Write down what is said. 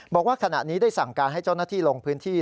บอกว่าขณะนี้ได้สั่งการให้เจ้าหน้าที่ลงพื้นที่